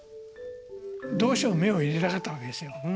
どうしても目を入れたかったわけですよ。